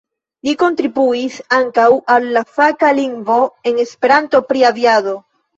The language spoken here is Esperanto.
Li kontribuis ankaŭ al la faka lingvo en Esperanto pri aviado.